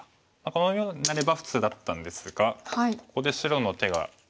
このようになれば普通だったんですがここで白の手が。